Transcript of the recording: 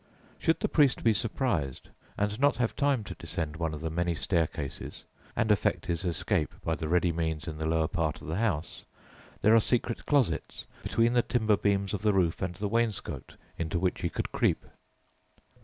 Should the priest be surprised and not have time to descend one of the many staircases and effect his escape by the ready means in the lower part of the house, there are secret closets between the timber beams of the roof and the wainscot into which he could creep.